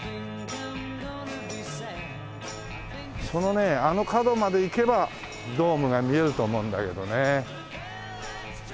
そのねあの角まで行けばドームが見えると思うんだけどね。